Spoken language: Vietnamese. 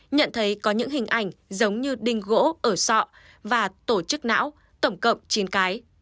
nhận thấy có những hình ảnh giống như đinh gỗ ở sọ và tổ chức não tổng cộng chín cái